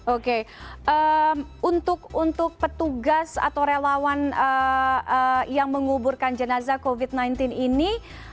oke untuk petugas atau relawan yang menguburkan jenazah covid sembilan belas ini